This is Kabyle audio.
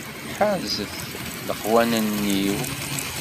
Ḥerzet leqwanen-iw.